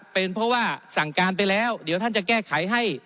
เป็นเพราะว่าสั่งการไปแล้วเดี๋ยวท่านจะแก้ไขให้